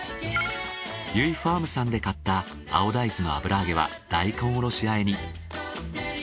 ゆいファームさんで買った青大豆の油揚げは大根おろし和えに。